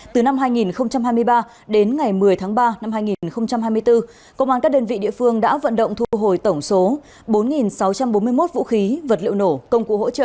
từ năm hai nghìn hai mươi ba đến ngày một mươi tháng ba năm hai nghìn hai mươi bốn công an các đơn vị địa phương đã vận động thu hồi tổng số bốn sáu trăm bốn mươi một vũ khí vật liệu nổ công cụ hỗ trợ